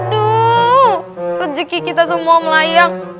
aduh rejeki kita semua melayang